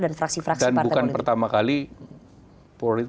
dan fraksi fraksi partai politik dan bukan pertama kali